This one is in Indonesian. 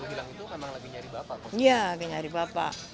iya lagi nyari bapak